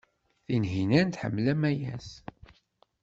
Tinhinan tḥemmel Amayas.